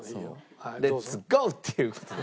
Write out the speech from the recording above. レッツゴー！っていう事で。